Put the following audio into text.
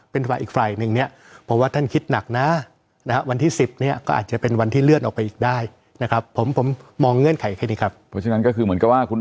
เพราะฉะนั้นเหมือนกับว่า